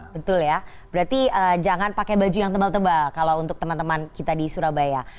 betul ya berarti jangan pakai baju yang tebal tebal kalau untuk teman teman kita di surabaya